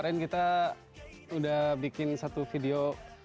dan kita udah bikin satu video